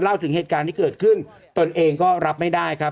เล่าถึงเหตุการณ์ที่เกิดขึ้นตนเองก็รับไม่ได้ครับ